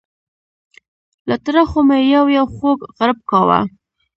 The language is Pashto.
له ترخو مې یو یو خوږ غړپ کاوه.